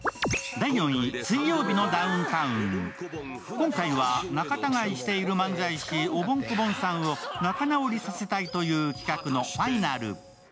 今回は仲たがいしている漫才師、おぼん・こぼんさんを仲直りさせたいという企画のファイナル。